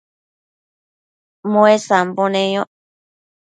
muesambo neyoc